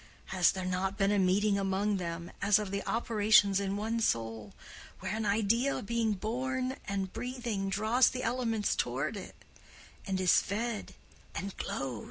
Has there not been a meeting among them, as of the operations in one soul, where an idea being born and breathing draws the elements toward it, and is fed and glows?